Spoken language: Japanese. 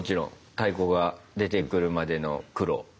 太鼓が出てくるまでの苦労。